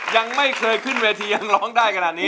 ยังไม่เคยขึ้นเวทียังร้องได้ขนาดนี้